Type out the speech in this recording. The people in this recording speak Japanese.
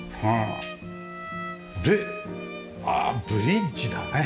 でああブリッジだね。